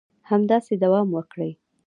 همداسې دوام وکړي